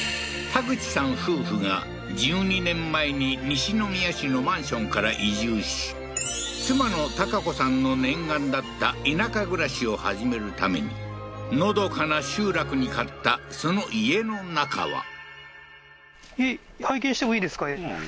田口さん夫婦が１２年前に西宮市のマンションから移住し妻の良子さんの念願だった田舎暮らしを始めるためにのどかな集落に買ったその家の中はいいですか？